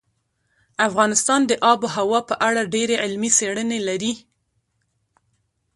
افغانستان د آب وهوا په اړه ډېرې علمي څېړنې لري.